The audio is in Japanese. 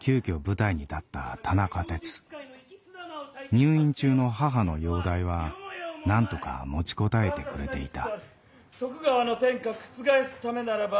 入院中の母の容体はなんとか持ちこたえてくれていた。